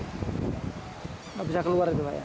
tidak bisa keluar itu pak ya